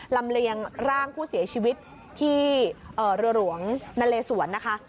ลำเลียงร่างผู้เสียชีวิตที่เรือหลวงนาเลสวนนะคะ